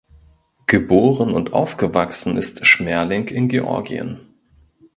Geboren und aufgewachsen ist Schmerling in Georgien.